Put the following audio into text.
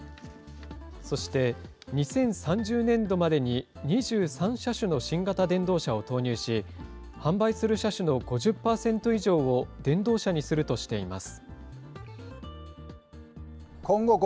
そして２０３０年度までに２３車種の新型電動車を投入し、販売する車種の５０％以上を電動車にするとしています。